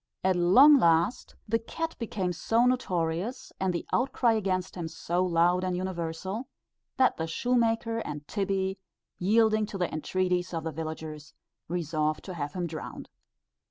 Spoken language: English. At long last the cat became so notorious, and the outcry against him so loud and universal, that the shoemaker and Tibbie, yielding to the entreaties of the villagers, resolved to have him drowned.